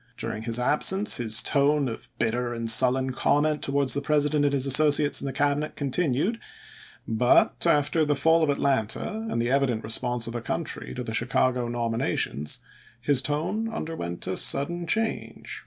During his absence his tone of bitter and sullen comment towards the Presi dent and his associates in the Cabinet continued,1 but after the fall of Atlanta, and the evident re sponse of the country to the Chicago nomina tions, his tone underwent a sudden change.